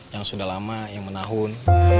yang sudah lama yang menahun